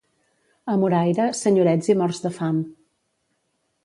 A Moraira, senyorets i morts de fam.